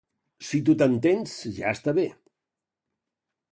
Si tu t'entens, ja està bé.